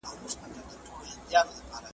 په دوس کلي کي مېلمه مشر وي .